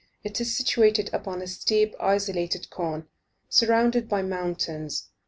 It is situated upon a steep, isolated cone, surrounded by mountains.